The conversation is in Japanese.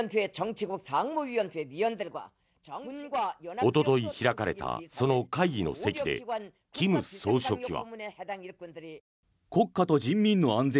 おととい開かれたその会議の席で金総書記は。